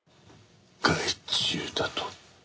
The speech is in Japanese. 害虫だと？